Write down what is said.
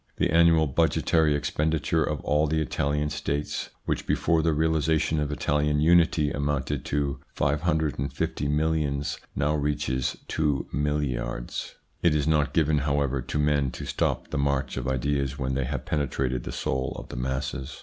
The annual budgetary expenditure of all the Italian States, which before the realisation of Italian unity amounted to 550 millions now reaches two milliards. It is not given, however, to men to stop the march of ideas when they have penetrated the soul of the masses.